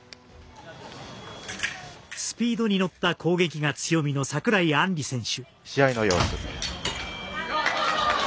スピードに乗った攻撃が強みの櫻井杏里選手。